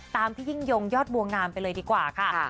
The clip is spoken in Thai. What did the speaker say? พี่ยิ่งยงยอดบัวงามไปเลยดีกว่าค่ะ